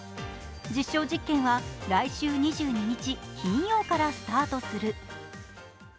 実証実験は来週２２日金曜からスタートする。